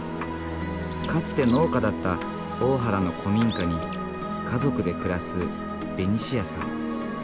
かつて農家だった大原の古民家に家族で暮らすベニシアさん。